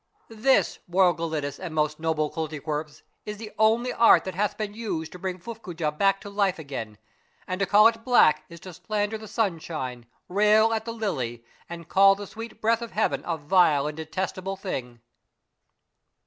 " This, Royal Gelidus and most noble Koltykwerps, is the only art that hath been used to bring Fuffcoojah back to life again, and to call it black is to slander tlie sunsliine, rail at the lily, and call the sweet breath of heaven a vile and detestable thing